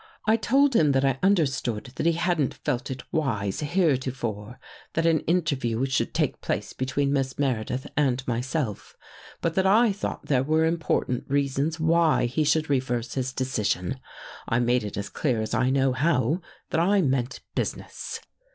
I told him that I understood that he hadn't felt it wise, heretofore, that an interview should take place be tween Miss Meredith and myself, but that I thought there were important reasons why he should re verse his decision. I made it as clear as I know how, that I meant business."